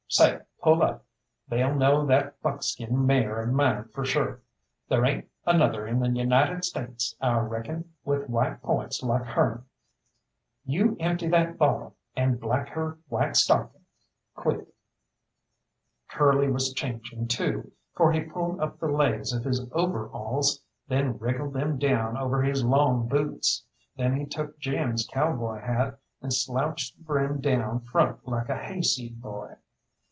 Say, pull up, they'll know that buckskin mare of mine for sure. There ain't another in the United States I reckon with white points like her'n. You empty that bottle, and black her white stockings, quick." Curly was changing too, for he pulled up the legs of his overalls, then wriggled them down over his long boots. Then he took Jim's cowboy hat, and slouched the brim down front like a hayseed boy.